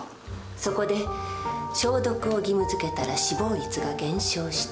そこで消毒を義務づけたら死亡率が減少した。